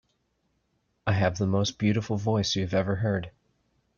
I have the most beautiful voice you have ever heard.